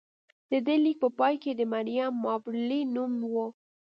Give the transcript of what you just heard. د دې لیک په پای کې د مریم مابرلي نوم و